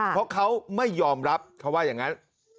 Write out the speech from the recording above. เพราะเขาไม่ยอมรับเขาว่าอย่างนั้น